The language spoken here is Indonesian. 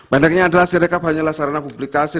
pendeknya adalah sirekap hanyalah sarana publikasi